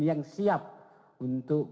yang siap untuk